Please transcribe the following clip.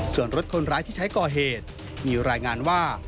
ส่วนรถคนร้ายที่ใช้ก่อเหตุมีรายงานว่า